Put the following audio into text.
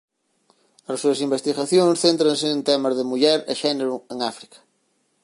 As súas investigacións céntranse en temas de muller e xénero en África.